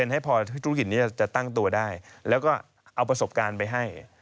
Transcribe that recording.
ให้พอธุรกิจนี้จะตั้งตัวได้แล้วก็เอาประสบการณ์ไปให้